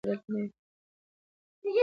فکر مې وکړ چې د انیلا پناه ځای به دلته نه وي